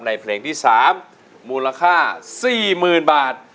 เพลงที่๓มูลค่า๔๐๐๐บาท